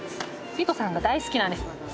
ピートさんが大好きなんです。